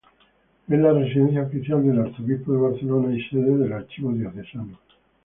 Es la residencia oficial del arzobispo de Barcelona y sede del Archivo Diocesano.